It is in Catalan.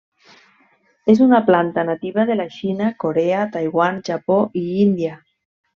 És una planta nativa de la Xina, Corea, Taiwan, Japó, i Índia.